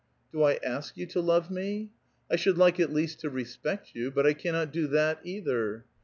'• Do I ask vou to love me ?"" I should like at least to respect you ; but I cannot do that, either."